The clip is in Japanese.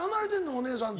お姉さんと。